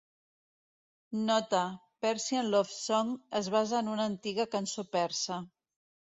Nota: "Persian Love Song" es basa en una antiga cançó persa.